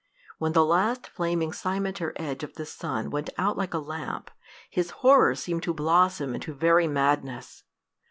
When the last flaming cimeter edge of the sun went out like a lamp, his horror seemed to blossom into very madness.